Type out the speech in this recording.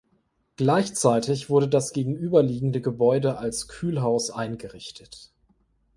Gleichzeitig wurde das gegenüberliegende Gebäude als Kühlhaus eingerichtet.